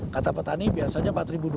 kata petani biasanya rp empat dua ratus